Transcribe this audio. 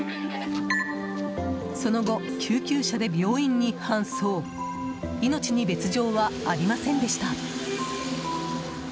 その後、救急車で病院に搬送命に別条はありませんでした。